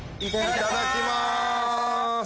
・いただきます